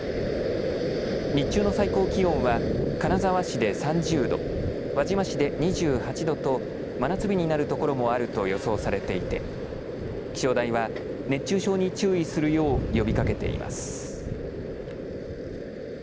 日中の最高気温は金沢市で３０度輪島市で２８度と真夏日になるところもあると予想されていて気象台は熱中症に注意するよう呼びかけています。